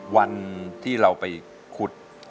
วันที่เราไปคุด